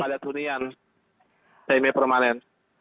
padat hunian pmi permanen